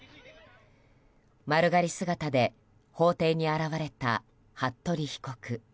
丸刈り姿で法廷に現れた服部被告。